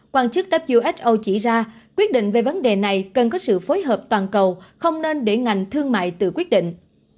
quan chức who chỉ ra quyết định về vấn đề này cần có sự phối hợp toàn cầu không nên để ngành thương mại tự quyết định